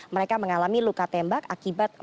mereka mengalami luka tembak akibat